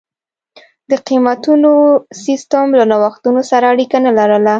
د قېمتونو سیستم له نوښتونو سره اړیکه نه لرله.